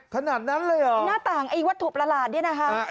ขนาดนั้นเลยเหรอหน้าต่างไอ้วัตถุประหลาดเนี่ยนะคะ